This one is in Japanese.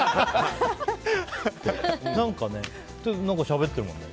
何かしゃべってるもんね。